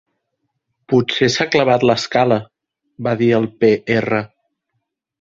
Potser s'ha clavat l'escala —va dir el Pe Erra—.